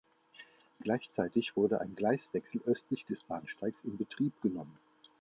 Gleichzeitig wurde ein Gleiswechsel östlich des Bahnsteigs in Betrieb genommen.